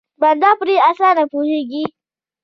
بنده پرې په اسانه پوهېږي.